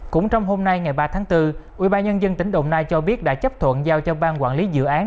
cũng trong hôm nay ngày ba tháng bốn ủy ban nhân dân tp hcm cho biết đã chấp thuận giao cho bang quản lý dự án